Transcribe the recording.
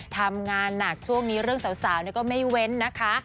ทำงานหนักช่วงนี้เรื่องสาวก็ไม่เว้นนะคะ